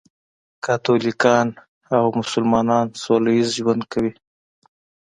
کاتولیکان او مسلمانان سولهییز ژوند کوي.